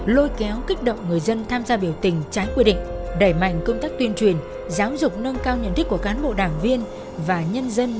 lôi kéo kích động người dân tham gia biểu tình trái quy định đẩy mạnh công tác tuyên truyền giáo dục nâng cao nhận thức của cán bộ đảng viên và nhân dân